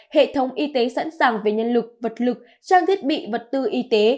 hệ thống y tế sẵn sàng về nhân lực vật lực trang thiết bị vật tư y tế